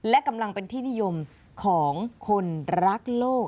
และกำลังเป็นที่นิยมของคนรักโลก